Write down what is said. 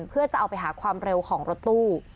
เพื่อจะเอาไปหาความเร็วของรถตู้